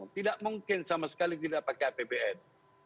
tidak mungkin sama sekali tidak pakai apbn